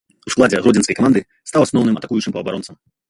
У складзе гродзенскай каманды стаў асноўным атакуючым паўабаронцам.